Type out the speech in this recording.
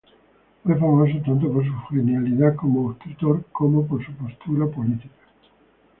Fue famoso tanto por su genialidad como escritor como por su postura política.